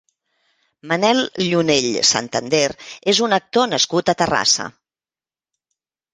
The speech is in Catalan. Manel Llunell Santander és un actor nascut a Terrassa.